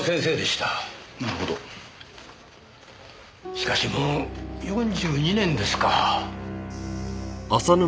しかしもう４２年ですか。